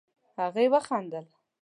هغې وخندل.